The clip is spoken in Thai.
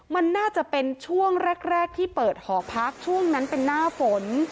มันน่าจะเป็นช่วงแรกที่เปิดหอพักช่วงนั้นเป็นหน้าฝน